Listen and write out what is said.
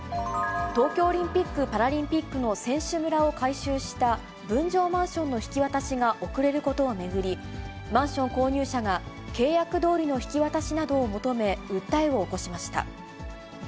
東京オリンピック・パラリンピックの選手村を改修した分譲マンションの引き渡しが遅れることを巡り、マンション購入者が契約どおりの引き渡しなどを求め、訴えを起こしました。